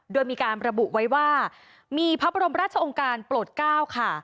โดยมีการระบุไว้ว่ามีพระบรมราชองค์การโปรดเก้าค่ะ